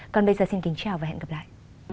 còn bây giờ xin kính chào và hẹn gặp lại